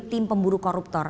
tim pemburu koruptor